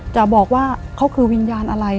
จะบอกว่าเขาคือวิญญาณอะไร